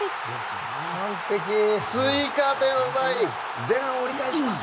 追加点を奪い前半を折り返します。